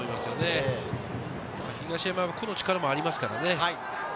東山は個の力もありますからね。